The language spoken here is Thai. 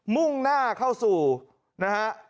มุ่งหน้าเข้าสู่นะฮะ